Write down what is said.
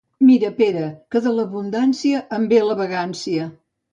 Mira, Pere, que de l'abundància en ve la vagància.